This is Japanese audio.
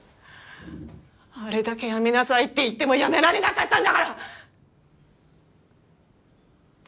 あれだけやめなさいって言ってもやめられなかったんだから！